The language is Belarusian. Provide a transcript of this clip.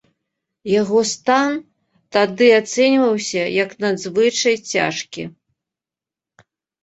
Яго стан тады ацэньваўся як надзвычай цяжкі.